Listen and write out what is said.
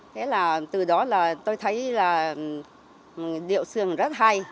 thế là từ đó là tôi thấy là điệu sường rất hay